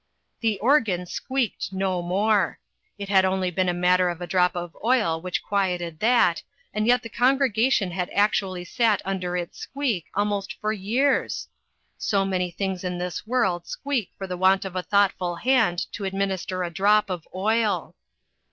The organ squeaked no more. It had only been a matter of a drop of oil which quieted that, and yet that congregation had actually sat under its squeak almost for years ! So many things in this world squeak for the want of a thoughtful hand to administer a drop of oil